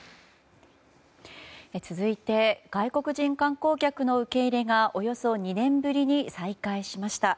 続いて外国人観光客の受け入れがおよそ２年ぶりに再開しました。